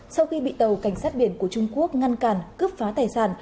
sau khi bị tàu cảnh sát biển của trung quốc ngăn cản cướp phá tài sản